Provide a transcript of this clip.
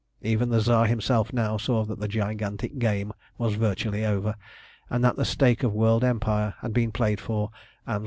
Even the Tsar himself now saw that the gigantic game was virtually over, and that the stake of world empire had been played for and lost.